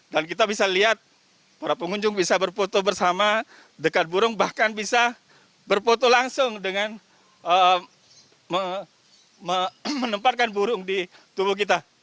dan kita bisa lihat para pengunjung bisa berfoto bersama dekat burung bahkan bisa berfoto langsung dengan menempatkan burung di tubuh kita